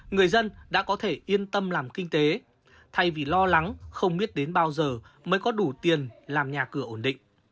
người dân đã có thể yên tâm làm kinh tế thay vì lo lắng không biết đến bao giờ mới có đủ tiền làm nhà cửa ổn định